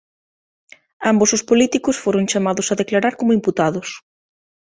Ambos os políticos foron chamados a declarar como imputados.